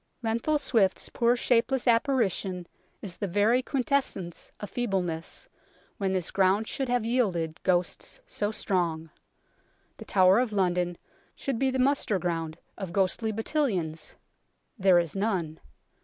Lenthal Swifte's poor shapeless apparition is the very quintessence of feebleness, when this ground should have yielded ghosts so strong. The Tower of London should be the muster ground of ghostly battalions. There is none.